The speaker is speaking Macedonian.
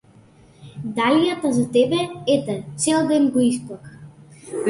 Далијата за тебе, ете, цел ден го исплака.